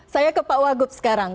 saya ke pak wagub sekarang